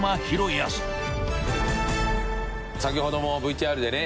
先ほどもＶＴＲでね。